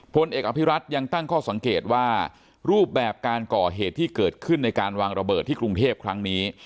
พลเอกอภิรัตนยังตั้งข้อสังเกตว่ารูปแบบการก่อเหตุที่เกิดขึ้นในการวางระเบิดที่กรุงเทพครั้งนี้